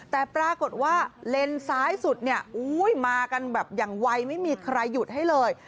แต่ปรากฏว่าเลนซ้ายสุดเนี่ยมากันแบบอย่างไวไม่มีใครหยุดให้เลย